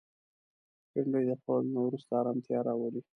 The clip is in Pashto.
بېنډۍ د خوړلو نه وروسته ارامتیا راولي